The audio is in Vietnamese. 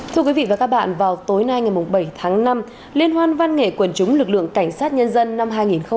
thưa quý vị và các bạn vào tối nay ngày bảy tháng năm liên hoan văn nghệ quần chúng lực lượng cảnh sát nhân dân năm hai nghìn hai mươi ba